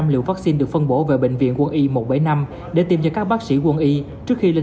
hai một trăm linh liều vắc xin được phân bổ về bệnh viện quân y một trăm bảy mươi năm để tiêm cho các bác sĩ quân y trước khi lên